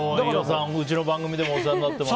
うちの番組でもお世話になってますよ。